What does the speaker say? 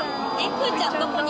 くーちゃんはどこに？